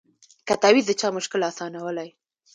که تعویذ د چا مشکل آسانولای